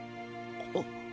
あっ。